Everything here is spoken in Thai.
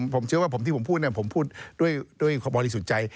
ผมเชื่อว่าผมพูดด้วยบริสุทธิ์ใจ